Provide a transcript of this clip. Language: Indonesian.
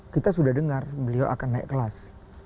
kita sudah dengar beliau akan naik kelas